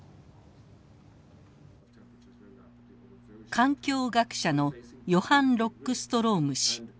環境学者のヨハン・ロックストローム氏。